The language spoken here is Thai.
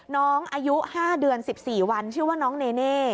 น้องอายุ๕เดือน๑๔วันชื่อว่าน้องเนเน่